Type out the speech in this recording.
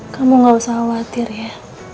kamu gak usah khawatir ya